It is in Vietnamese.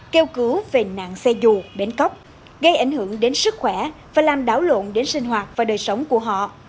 kêu cứu về nạn xe dù bến cóc gây ảnh hưởng đến sức khỏe và làm đảo lộn đến sinh hoạt và đời sống của họ